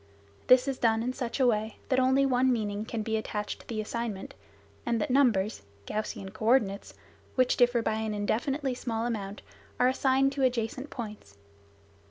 This is done in such a way, that only one meaning can be attached to the assignment, and that numbers (Gaussian coordinates) which differ by an indefinitely small amount are assigned to adjacent points.